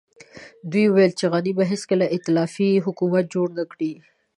دوی ويل چې غني به هېڅکله ائتلافي حکومت جوړ نه کړي.